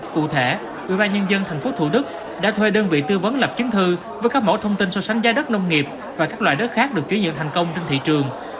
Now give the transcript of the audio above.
cụ thể ubnd thành phố thủ đức đã thuê đơn vị tư vấn lập chiến thư với các mẫu thông tin so sánh gia đất nông nghiệp và các loại đất khác được chứa nhận thành công trên thị trường